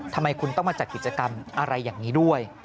ทำไมคุณต้องมาจัดกิจกรรมอะไรอย่างนี้ด้วย